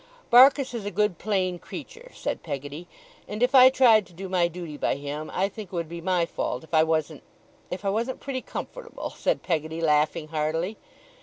Barkis is a good plain creature,' said Peggotty, 'and if I tried to do my duty by him, I think it would be my fault if I wasn't if I wasn't pretty comfortable,' said Peggotty, laughing heartily.